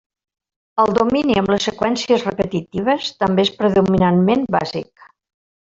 El domini amb les seqüències repetitives també és predominantment bàsic.